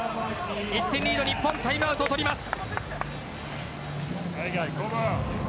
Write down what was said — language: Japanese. １点リード日本タイムアウトを取ります。